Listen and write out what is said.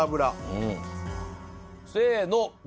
せの。